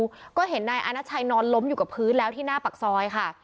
แล้วก็เห็นนายอาณาชัยนอนล้มอยู่กับพื้นแล้วที่หน้าปากซอยค่ะ